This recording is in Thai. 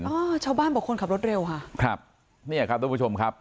เออชาวบ้านบอกคนขับรถเร็วค่ะครับเนี่ยครับทุกผู้ชมครับ